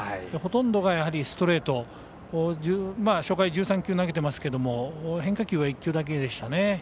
ほとんどがストレート初回１３球投げてますけど変化球は１球だけでしたね。